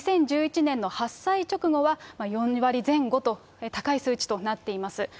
２０１１年の発災直後は４割前後と、高い数値となっています。